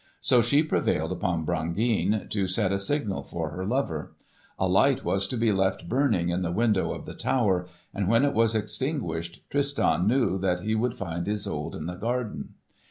So she prevailed upon Brangeane to set a signal for her lover. A light was to be left burning in the window of the tower, and when it was extinguished Tristan knew that he would find Isolde in the garden.